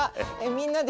みんなで？